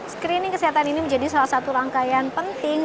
screening kesehatan ini menjadi salah satu rangkaian penting